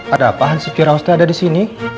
ada apaan si ciraus ada disini